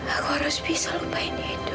aku harus bisa lupain edo